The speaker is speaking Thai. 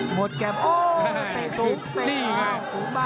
หมดแกรมโอ้วตะเตะสูงตะเตะขาวสูงมาก